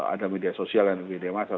ada media sosial ada media massa